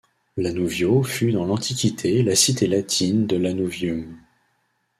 Lanuvio fut dans l'Antiquité la cité latine de Lanuvium.